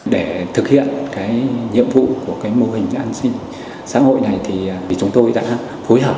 để thực hiện nhiệm vụ của mô hình an sinh xã hội này thì chúng tôi đã phối hợp